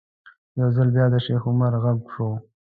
یو ځل بیا د شیخ عمر غږ شو.